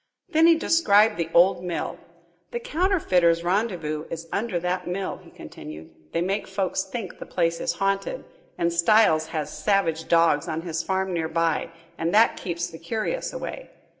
Then he described the old mill. "The counterfeiters' rendezvous is under that mill," he continued. "They make folks think the place is haunted and Styles has savage dogs on his farm near by, and that keeps the curious away.